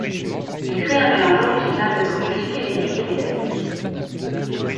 Ils créent un mélange original de bruit psychédélique et métallique.